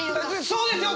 そうですよ。